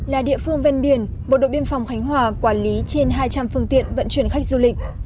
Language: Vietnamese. là địa phương ven biển bộ đội biên phòng khánh hòa quản lý trên hai trăm linh phương tiện vận chuyển khách du lịch